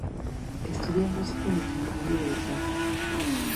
Estudió música en el Seminario de Vergara.